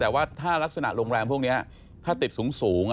แต่ว่าถ้ารักษณโรงแรมพวกนี้ถ้าติดสูง